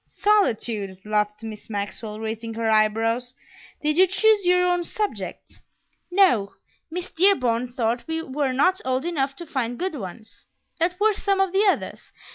"Solitude!" laughed Miss Maxwell, raising her eyebrows. "Did you choose your own subject?" "No; Miss Dearborn thought we were not old enough to find good ones." "What were some of the others?"